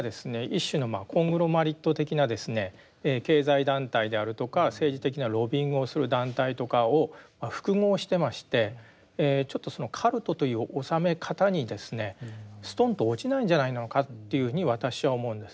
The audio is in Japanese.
一種のコングロマリット的な経済団体であるとか政治的なロビイングをする団体とかを複合してましてちょっとそのカルトという収め方にですねストンと落ちないんじゃないのかというふうに私は思うんですね。